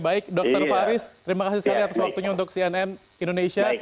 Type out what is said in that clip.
baik dokter faris terima kasih sekali atas waktunya untuk cnn indonesia